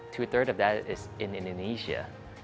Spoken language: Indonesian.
dua ketiga dari itu di indonesia